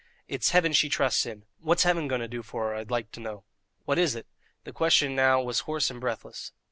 "It's Heaven she trusts in. What's Heaven going to do for her, I'd loike to know?" "What is it?" The question now was hoarse and breathless.